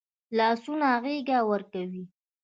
لاسونه غېږ ورکوي